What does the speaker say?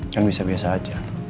kan bisa biasa aja